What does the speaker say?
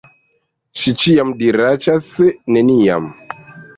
Ŝi ĉiam diraĉas, "Neniam!"